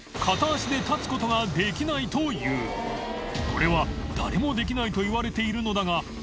海譴誰もできないといわれているのだが嫺